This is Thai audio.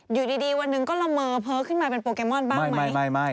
อยู่ดีวันหนึ่งก็ละเมอเพ้อขึ้นมาเป็นโปเกมอนบ้างไหม